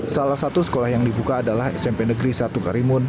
salah satu sekolah yang dibuka adalah smp negeri satu karimun